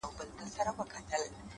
اخلاص د اړیکو ریښتینی بنسټ دی.!